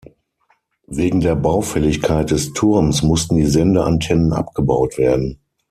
Wegen der Baufälligkeit des Turms mussten die Sendeantennen abgebaut werden.